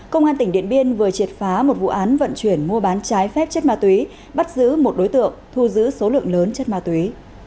công an tỉnh điện biên vừa triệt phá một vụ án vận chuyển mua bán trái phép chất ma túy bắt giữ một đối tượng thu giữ số lượng lớn chất ma túy